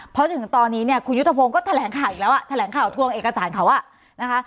เพราะจนถึงตอนนี้เนี่ยคุณยุทธพงศ์ก็แถลงข่าวอีกแล้วอ่ะแถลงข่าวทวงเอกสารเขาอ่ะนะคะ